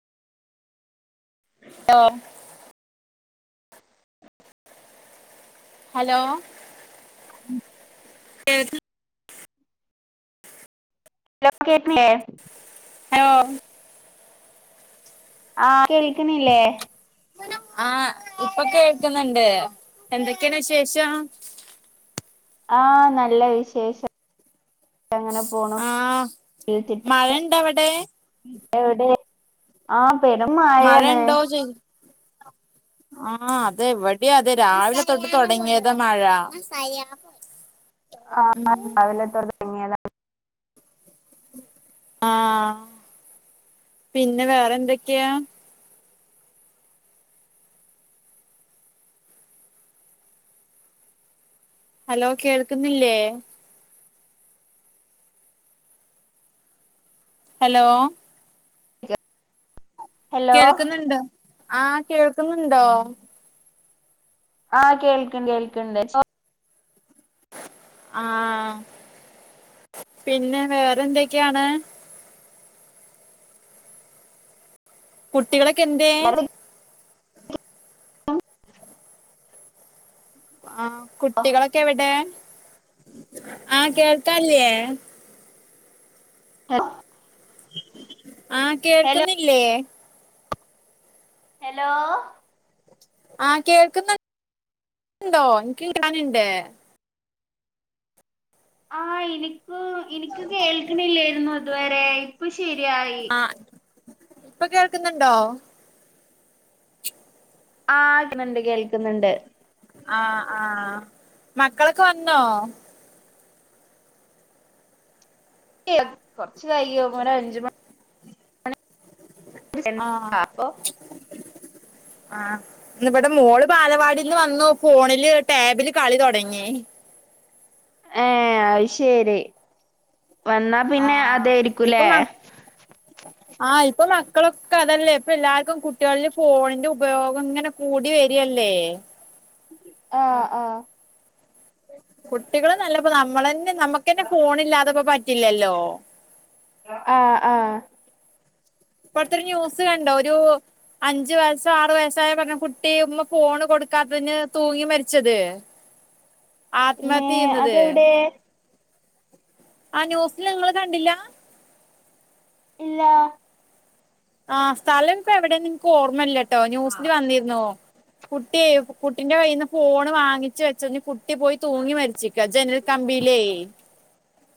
[unintelligible] Hello [unintelligible] [inaudible] ലോക്കെറ്റില്ലേ [unintelligible] ആ കേൾക്ക്ണില്ലേ ആഹ് ഇപ്പൊ കേൾക്ക്ന്ന്ണ്ട്. എന്തൊക്കെണ് വിശേഷം ആഹ് നല്ല വിശേഷം എങ്ങനെ പോണു ആഹ് [unintelligible] ത്തിട്ട മഴയുണ്ടോ അവിടെ എവിടെ ആഹ് പെരും മഴ മയേണ്. ഉണ്ടോ [inaudible] ആഹ് അതെ ഇവിടിയാതെ രാവിലെ തൊട്ട് തൊടങ്ങിയത മഴ. ആഹ് ഉം ആഹ് രാവിലെ തൊടങ്ങിയതാ ആഹ് പിന്നെ വേറെന്തൊക്കെയാ ഹലോ കേൾക്കുന്നില്ലേ ഹലോ ഹലോ കേൾക്കുന്നുണ്ട് ആഹ് കേൾക്കുന്നുണ്ടോ. ആഹ് കേൾക്ക്ണ്ട് കേൾക്ക്ണ്ട്. ആഹ് പിന്നെ വേറെന്തൊക്കെ ആണ് കുട്ടികളൊക്കെ എന്തേ. ആ കുട്ടികളൊക്കെ എവിടെ. ആഹ് കേൾക്കാല്ലേ [unintelligible] ആഹ് ഹലോ കേൾക്ക്ന്നില്ലേ ഹെലോ ആഹ് കേൾക്കുന്നു ണ്ടോ. എനിക്ക് [unintelligible] ന്ണ്ട് ആഹ് ഇനിക്ക് ഇനിക്ക് കേൾക്കണില്ലേരുന്നു ഇതുവെരെ. ഇപ്പൊ ശെര്യായി. ആഹ് ഇപ്പൊ കേൾക്കുന്നുണ്ടോ ആഹ് ക്ക്ണ്ട് കേൾക്കുന്ന്ണ്ട് ആഹ് ആഹ് മക്കളൊക്കെ വന്നോ. കൊറ്ച്ച് കയും ഒരഞ്ച് മണി മണി ആഹ് അപ്പൊ ആഹ് ഇന്ന് ഇബടെ മോള് ബാലവാടീന്ന് വന്നു ഫോണില് ടാബില് കളി തൊടങ്ങി. ഏയ് അത് ശരി. വന്നാ പിന്നെ ആഹ് ഇപ്പൊ അതായിരിക്കുലേ. മ ആഹ് ഇപ്പൊ മക്കളൊക്കെ അതെല്ലേ. ഇപ്പ എല്ലാക്കും കുട്ട്യേളില് ഫോണിന്റെ ഉപയോഗം ഇങ്ങനെ കൂടി വര് അല്ലേ ആഹ് ആഹ് കുട്ടികള് നല്ലപ്പോ നമ്മളന്നെ നമ്മക്കന്നെ ഫോൺ ഇല്ലാതെപ്പം പറ്റില്ലല്ലോ. ആഹ് അഹ് ഇപ്ത്തൊരു ന്യൂസ് കണ്ടോ ഒരു അഞ്ചു വയസോ ആറു വയസ്സായ പറ്ഞ്ഞ കുട്ടി ഇമ്മ ഫോണ് കൊടുക്കാത്തെയ്ന് തൂങ്ങി മരിച്ചത്. പിന്നെ ആത്മഹത്യ ചെയ്യുന്നത് അതെവിടെ ആ ന്യൂസ്ല് ഇങ്ങള് കണ്ടില്ല ഇല്ല ആഹ് സ്ഥലം ഇൻക്ക് എവിടെന്ന് ഇൻക്ക് ഓർമ്മല്ലട്ടോ ന്യൂസ്ല് വന്നിരുന്നു. കുട്ടി കുട്ടിന്റെ കയ്യിന്ന് ഫോണ് വാങ്ങിച്ച് വെച്ചു ഇഞ്ഞ് കുട്ടി പോയി തൂങ്ങി മരിച്ചു. ക്കജനൽ കമ്പില്ലേ